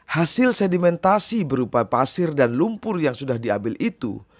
hasil sedimentasi berupa pasir dan lumpur yang sudah diambil itu